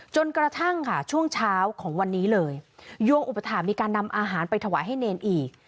จนกระทั่งค่ะช่วงเช้าของวันนี้เลยโยงอุปถามีการนำอาหารไปถวายให้เนรอีก